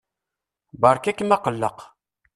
Beṛka-kem aqelleq.